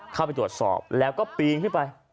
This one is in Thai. เข้าไปตรวจสอบแล้วก็ปีนขึ้นไป